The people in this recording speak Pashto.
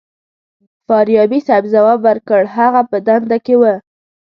فاریابي صیب ځواب ورکړ هغه په دنده کې و.